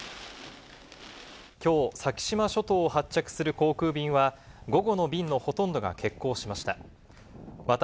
きょう、先島諸島を発着する航空便は、午後の便のほとんどが欠航しました。